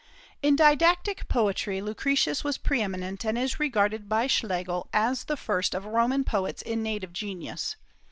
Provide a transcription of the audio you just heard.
In didactic poetry Lucretius was pre eminent, and is regarded by Schlegel as the first of Roman poets in native genius.